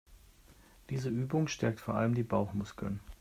Diese Übung stärkt vor allem die Bauchmuskeln.